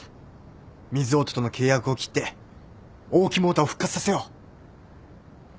ミズオートとの契約を切って大木モーターを復活させよう